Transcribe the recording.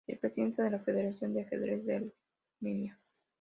Es presidente de la Federación de Ajedrez de Armenia.